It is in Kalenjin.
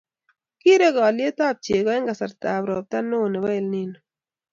Kirek olyetab chego eng kasartab ropta neo nebo Elnino